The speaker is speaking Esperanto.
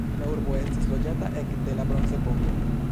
La urbo estis loĝata ekde la bronzepoko.